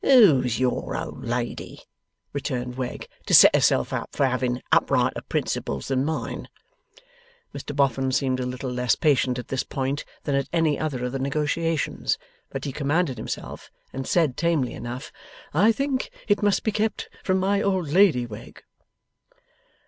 'Who's your old lady,' returned Wegg, 'to set herself up for having uprighter principles than mine?' Mr Boffin seemed a little less patient at this point than at any other of the negotiations. But he commanded himself, and said tamely enough: 'I think it must be kept from my old lady, Wegg.